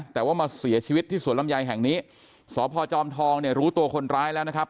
แต่ว่ามาเสียชีวิตที่สวนลำไยแห่งนี้สพจอมทองเนี่ยรู้ตัวคนร้ายแล้วนะครับ